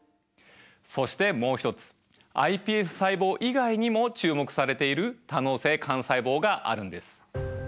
そしてもう一つｉＰＳ細胞以外にも注目されている多能性幹細胞があるんです。